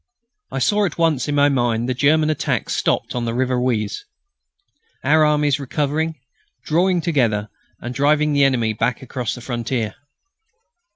I saw at once in my mind the German attack stopped on the river Oise, our armies recovering, drawing together and driving the enemy back across the frontier.